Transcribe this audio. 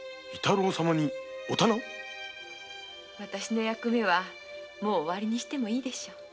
私の役目はもう終りにしてもいいでしょう。